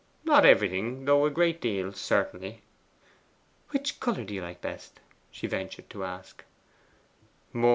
'Not everything; though a great deal, certainly.' 'Which colour do you like best?' she ventured to ask.